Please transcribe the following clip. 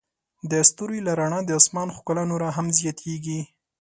د ستوري له رڼا د آسمان ښکلا نوره هم زیاتیږي.